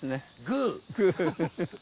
グー。